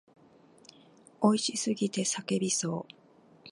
美味しすぎて叫びそう。